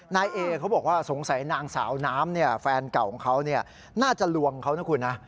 นายเอเขาบอกว่าสงสัยนางสาวน้ำแฟนเก่าของเขาน่าจะลวงเขานะคุณนะ